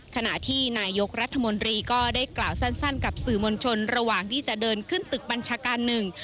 ขณะที่นายกรัฐมนตรีก็ได้กล่าวสั้นกับสื่อมวลชนระหว่างที่จะเดินขึ้นตึกบัญชาการหนึ่ง